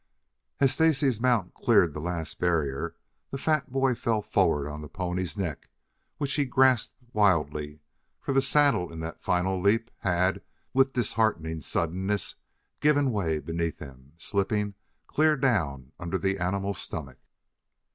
As Stacy's mount cleared the last barrier, the fat boy fell forward on the pony's neck, which he grasped wildly, for the saddle in that final leap had, with disheartening suddeness, given way beneath him, slipping clear down under the animal's stomach.